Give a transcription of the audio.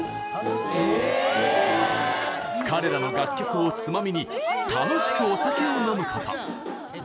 彼らの楽曲をツマミに楽しくお酒を飲むこと。